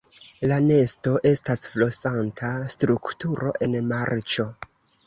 La nesto estas flosanta strukturo en marĉo.